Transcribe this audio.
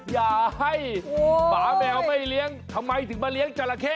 อย่าให้หมาแมวไม่เลี้ยงทำไมถึงมาเลี้ยงจราเข้